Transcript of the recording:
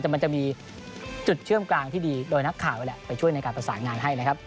แต่มันจะมีจุดเชื่อมกลางที่ดีโดยนักข่าวแหละไปช่วยในการประสานงานให้นะครับ